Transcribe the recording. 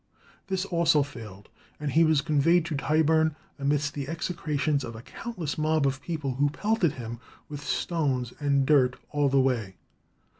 This also failed, and he was conveyed to Tyburn amidst the execrations of a countless mob of people, who pelted him with stones and dirt all the way.